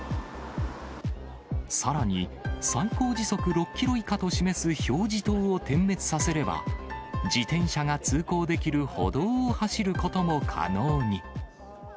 さらに最高時速６キロ以下と示す表示灯を点滅させれば、自転車が通行できる歩道を走ることも可能に。